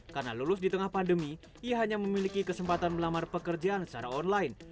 karena lulus di tengah pandemi ia hanya memiliki kesempatan melamar pekerjaan secara online